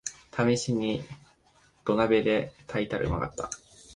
ためしに土鍋で炊いたらうまかった